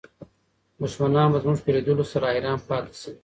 دښمنان به زموږ په لیدلو سره حیران پاتې شي.